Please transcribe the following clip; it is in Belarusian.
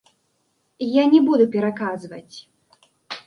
Я не буду пераказваць.